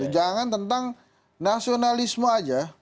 jangan tentang nasionalisme aja